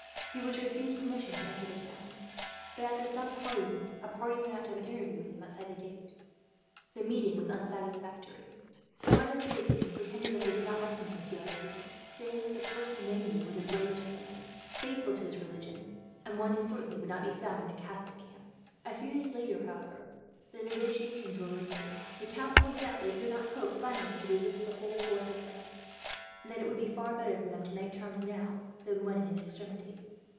He was refused permission to enter the town but, after some parleying, a party went out to have an interview with him outside the gate. The meeting was unsatisfactory. Some of the citizens pretended that they did not recognize De la Noue, saying that the person they knew was a brave gentleman, faithful to his religion, and one who certainly would not be found in a Catholic camp. A few days later, however, the negotiations were renewed. The count pointed out that they could not hope, finally, to resist the whole force of France; and that it would be far better for them to make terms, now, than when in an extremity.